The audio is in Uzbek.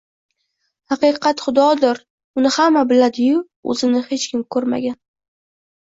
Haqiqat – xudodir: uni hamma biladi-yu, o’zini hech kim ko’rmagan.